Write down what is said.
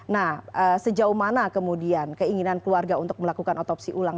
nah sejauh mana kemudian keinginan keluarga untuk melakukan otopsi ulang